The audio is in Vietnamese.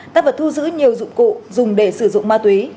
tăng vật thu giữ nhiều dụng cụ dùng để sử dụng ma túy